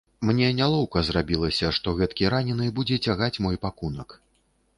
Мне нялоўка зрабілася, што гэткі ранены будзе цягаць мой пакунак.